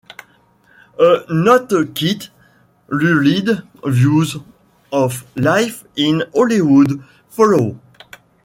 A not-quite lurid view of life in Hollywood follows.